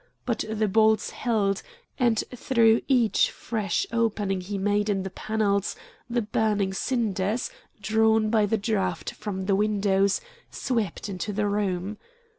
But the bolts held, and through each fresh opening he made in the panels the burning cinders, drawn by the draft from the windows, swept into the room.